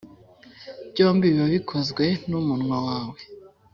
byombi biba bikozwe n’umunwa wawe.